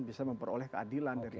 dan bisa memperoleh keadilan dari itu